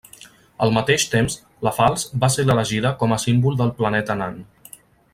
Al mateix temps, la falç va ser l'elegida com a símbol del planeta nan.